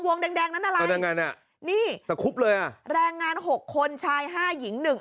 วงแดงนั่นอะไรนี่แรงงาน๖คนชาย๕หญิง๑